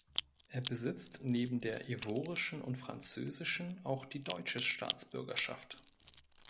Er besitzt neben der ivorischen und französischen auch die deutsche Staatsbürgerschaft.